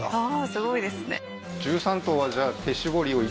すごいですね